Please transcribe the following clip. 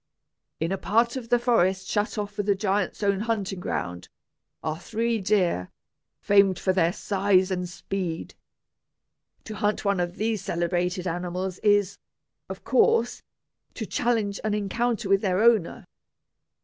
In a part of the forest shut off for the giant's own hunting ground, are three deer, famed for their size and speed. To hunt one of these celebrated animals is, of course, to challenge an encounter with their owner.